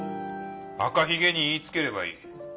・赤ひげに言いつければいい。